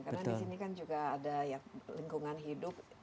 karena disini kan juga ada lingkungan hidup